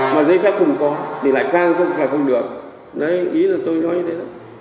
mà giấy phép không có thì lại càng cũng là không được